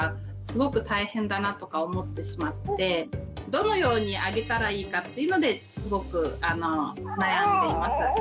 どのようにあげたらいいかっていうのですごく悩んでいます。